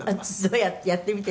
「やってみて。